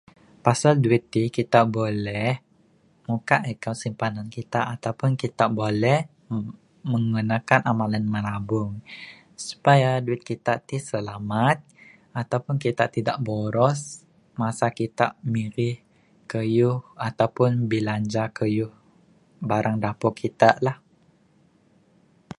Pasel duit ti, kita boleh muka account simpanan kita ataupun kita boleh menggunakan amalan menabung supaya duit kita ti selamat, ataupun kita tidak masa kita mirih kayuh ataupun bilanja kayuh barang dapur kita lah.